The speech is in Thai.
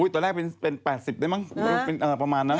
ตอนแรกเป็น๘๐ได้มั้งประมาณนั้น